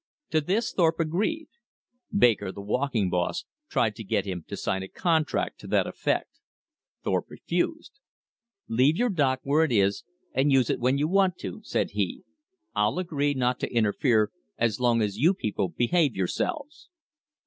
To this Thorpe agreed. Baker, the walking boss, tried to get him to sign a contract to that effect. Thorpe refused. "Leave your dock where it is and use it when you want to," said he. "I'll agree not to interfere as long as you people behave yourselves."